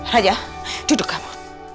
raja duduk kamu